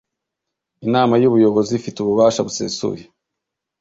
inama y’ubuyobozi ifite ububasha busesuye